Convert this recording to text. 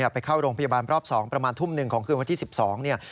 ไปเข้าโรงพยาบาลประอบ๒ประมาณทุ่ม๑ของคืนวันที่๑๒